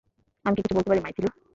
আমি কি কিছু বলতে পারি, মাইথিলি?